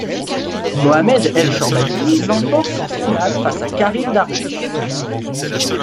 Mohamed El Shorbagy l'emporte en finale face à Karim Darwish.